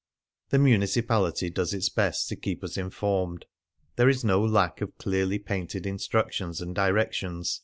The Municipality does its best to keep us informed ; there is no lack of clearly painted instructions and directions.